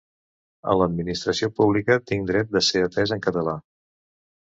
A l’administració pública tinc dret de ser atès en català.